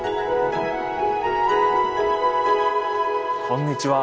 こんにちは。